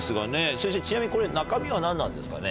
先生ちなみにこれ中身は何なんですかね？